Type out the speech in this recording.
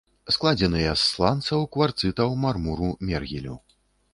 Складзеныя з сланцаў, кварцытаў, мармуру, мергелю.